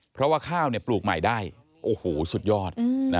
เพราะว่าข้าวปลูกใหม่ได้โอ้โหสุดยอด